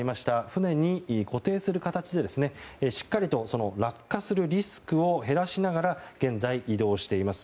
船に固定する形でしっかりと落下するリスクを減らしながら現在、移動しています。